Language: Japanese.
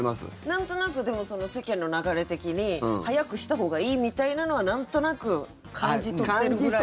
なんとなく、でも世間の流れ的に早くしたほうがいいみたいなのはなんとなく感じ取ってるくらいの。